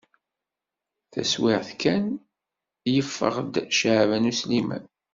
Taswiɛt kan, yeffeɣ-d Caɛban U Sliman.